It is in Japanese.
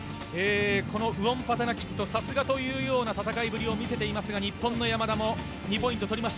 このウオンパタナキットさすがというような戦いぶりを見せていますが日本の山田も２ポイント取りました。